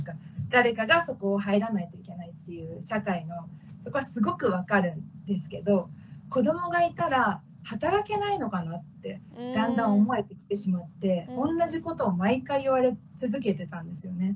誰かがそこを入らないといけないっていう社会のそこはすごく分かるんですけど子どもがいたら働けないのかなってだんだん思えてきてしまっておんなじことを毎回言われ続けてたんですよね。